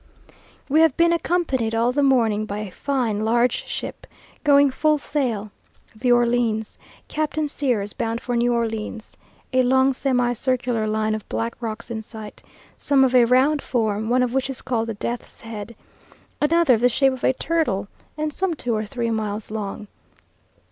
We have been accompanied all the morning by a fine large ship, going full sail, the Orleans, Captain Sears, bound for New Orleans.... A long semicircular line of black rocks in sight; some of a round form, one of which is called the Death's Head; another of the shape of a turtle, and some two or three miles long.